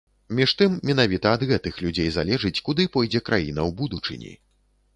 Між тым, менавіта ад гэтых людзей залежыць, куды пойдзе краіна ў будучыні.